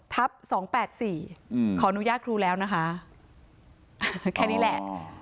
๒๘๔ขออนุญาตครูแล้วนะคะแค่นี้แหละ